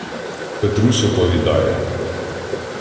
Петрусь оповідає: